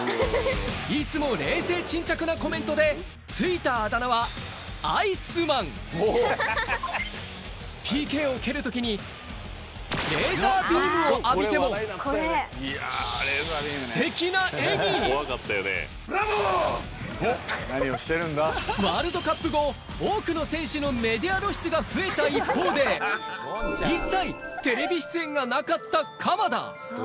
いつも冷静沈着なコメントで付いたあだ名はＰＫを蹴る時にを浴びてもワールドカップ後多くの選手のメディア露出が増えた一方で一切テレビ出演がなかった鎌田